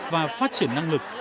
và phát triển năng lực